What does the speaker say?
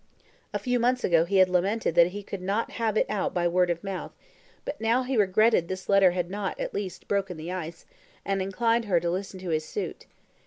A few months ago he had lamented that he could not have it out by word of mouth; but now he regretted this letter had not, at least, broken the ice, and inclined her to listen to his suit.